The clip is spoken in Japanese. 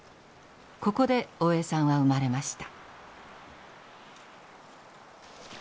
ここで大江さんは生まれました。